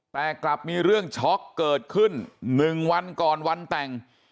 แต่กลับมีเรื่องช็อกเกิดขึ้น๑วันก่อนวันแต่ง